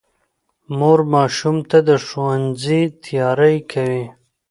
مور ماشوم ته د ښوونځي تیاری کوي